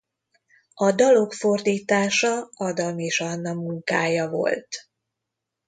A dalok fordítása Adamis Anna munkája volt.